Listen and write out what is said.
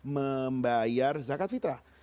membayar zakat fitrah